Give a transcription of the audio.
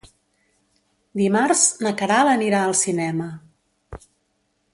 Dimarts na Queralt anirà al cinema.